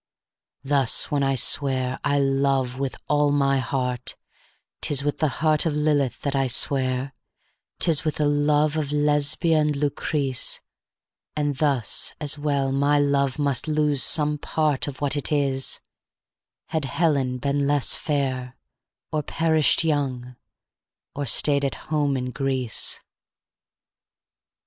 Thus when I swear, "I love with all my heart," 'Tis with the heart of Lilith that I swear, 'Tis with the love of Lesbia and Lucrece; And thus as well my love must lose some part Of what it is, had Helen been less fair, Or perished young, or stayed at home in Greece.